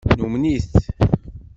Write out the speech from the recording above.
Numen-it.